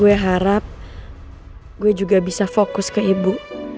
gue harap gue juga bisa fokus ke ibu